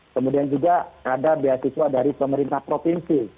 kemudian juga ada beasiswa dari pemerintah provinsi